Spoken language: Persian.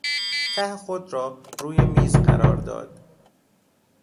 ته خود را روی میز قرار داد.